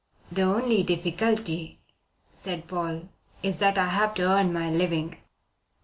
"The only difficulty," said Paul, "is that I have to earn my living."